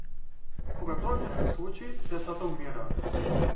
Кога тоа ќе се случи децата умираат.